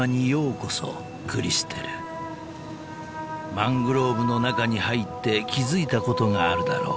［マングローブの中に入って気付いたことがあるだろう］